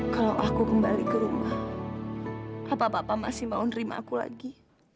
kalau aku kembali ke rumah apa apa masih mau nerima aku lagi